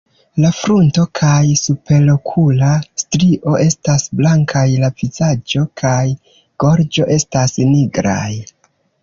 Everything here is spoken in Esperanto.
La frunto kaj superokula strio estas blankaj; la vizaĝo kaj gorĝo estas nigraj.